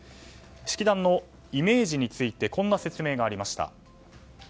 式壇のイメージについてこんな説明がありました。